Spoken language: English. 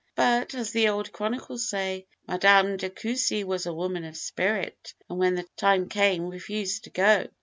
But, as the old chronicles say, 'Madame de Coucy was a woman of spirit,' and when the time came refused to go.